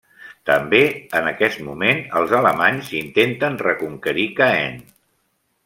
També en aquest moment, els alemanys intenten reconquerir Caen.